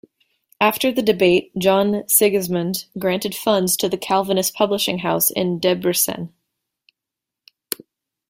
After the debate John Sigismund granted funds to the Calvinist publishing house in Debrecen.